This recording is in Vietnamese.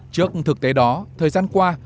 trước thực tế đó thời gian qua